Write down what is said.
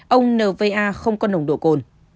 ông nva không có nồng độ cồn